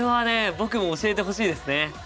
僕も教えてほしいですね！